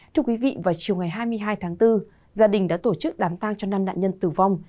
thưa quý vị vào chiều ngày hai mươi hai tháng bốn gia đình đã tổ chức đám tang cho năm nạn nhân tử vong